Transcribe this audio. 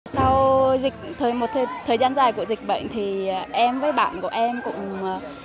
sau một thời gian dài của dịch bệnh thì em với bạn của em cũng